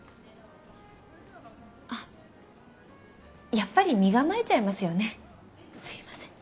やっぱり身構えちゃいますよねすいません。